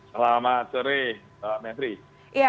selamat sore pak menteri